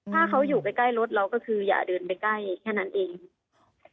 ถ้าเขาอยู่ใกล้ใกล้รถเราก็คืออย่าเดินไปใกล้แค่นั้นเอง